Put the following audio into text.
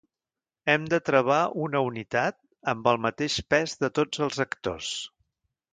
Hem de travar una unitat amb el mateix pes de tots els actors.